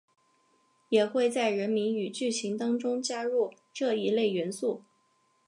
也会在人名与剧情当中加入这一类元素。